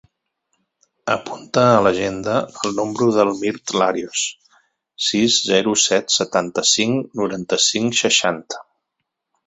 Apunta a l'agenda el número del Mirt Larios: sis, zero, set, setanta-cinc, noranta-cinc, seixanta.